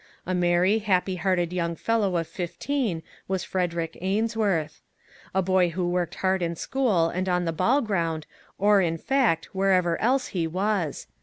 A merry, happy hearted young fellow of fifteen was Frederick Ains worth. A boy who worked hard in school and on the ball ground or, in fact, wherever else he was.